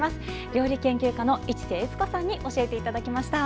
料理研究家の市瀬悦子さんに教えていただきました。